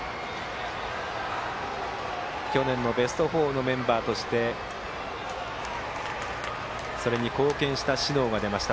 去年のベスト４のメンバーとしてそれに貢献した小竹が出ました。